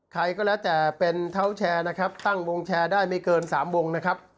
ใครก็แล้วแต่เป็นเท้าแชร์นะครับตั้งวงแชร์ได้ไม่เกิน๓วงนะครับ